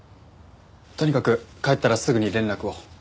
とにかく帰ったらすぐに連絡を。